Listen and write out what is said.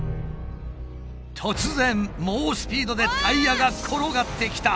突然猛スピードでタイヤが転がってきた！